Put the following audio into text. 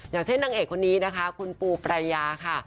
อย่างเช่นนางเอกคนนี้นะคะคุณปูปรายาค่ะ